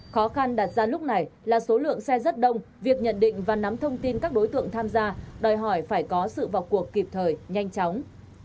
khó khăn đặt ra lúc này là số lượng xe rất đông việc nhận định và nắm thông tin các đối tượng tham gia đòi hỏi phải có sự vào cuộc kịp thời nhanh chóng